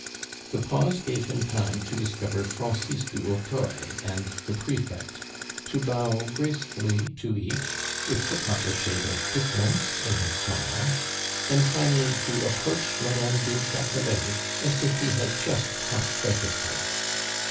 The pause gave him time to discover Francis du Hautoy and the prefect; to bow gracefully to each with the proper shade of difference in his smile, and, finally, to approach Mme. du Chatelet as if he had just caught sight of her.